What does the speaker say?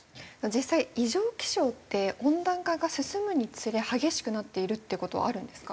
実際異常気象って温暖化が進むにつれ激しくなっているっていう事はあるんですか？